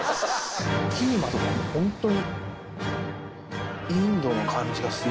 キーマとかホントに。